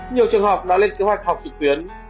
nhiều trường học đã lên kế hoạch học trực tuyến